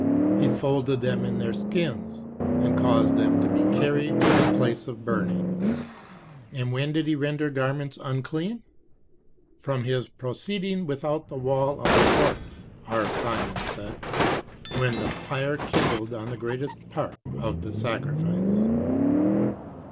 He folded them in their skins, and caused them to be carried to the place of burning. "And when did he render garments unclean?" "From his proceeding without the wall of the court." R. Simon said, "when the fire kindled on the greatest part" (of the sacrifice).